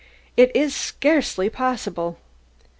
"It is scarcely possible."